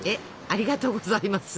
ありがとうございます。